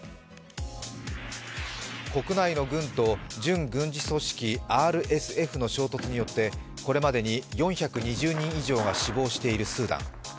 国内の軍と準軍事組織ＲＳＦの衝突によってこれまでに４２０人以上が死亡しているスーダン。